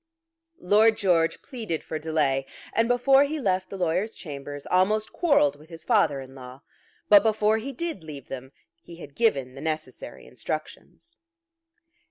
Lord George pleaded for delay, and before he left the lawyer's chambers almost quarrelled with his father in law; but before he did leave them he had given the necessary instructions.